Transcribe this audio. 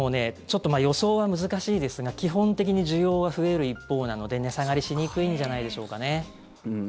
予想は難しいですが基本的に需要は増える一方なので値下がりしにくいんじゃないでしょうかね。